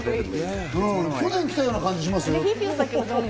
去年来たような感じがします。